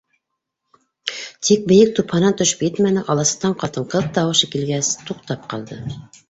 Тик бейек тупһанан төшөп етмәне, аласыҡтан ҡатын-ҡыҙ тауышы килгәс, туҡтап ҡалды.